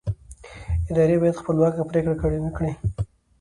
ادارې باید خپلواکه پرېکړې وکړي